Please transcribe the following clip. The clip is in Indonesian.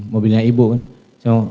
mobilnya ibu kan